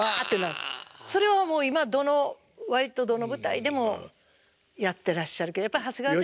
それをもう今どの割とどの舞台でもやってらっしゃるけどやっぱり長谷川先生。